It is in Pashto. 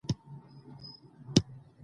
خو موږ به ئې څو دندي د نموني په ډول بيان کړو: